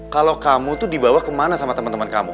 kalo kamu tuh dibawa kemana sama temen temen kamu